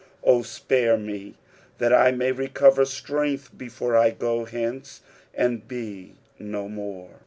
13 O spare me, that I may recover strength, before I go hence, and be no more.